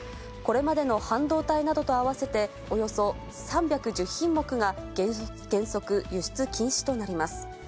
これまでの半導体などと合わせて、およそ３１０品目が、原則輸出禁止となります。